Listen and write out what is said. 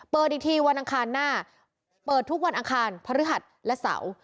เปิดอีกทีวันอังคารหน้าเปิดทุกวันอังคารพฤหัสและเสาร์